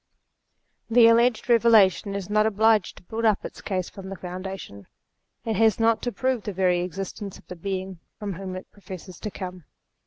The alleged Eeve lation is not obliged to build up its case from the foundation ; it has not to prove the very existence of the Being from whom it professes to come.